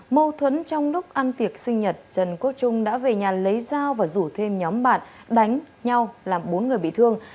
mâu thuẫn trong lúc ăn tiệc sinh nhật trần quốc trung đã về nhà lấy dao và rủ thêm nhóm bạn đánh nhau làm bốn người bị thương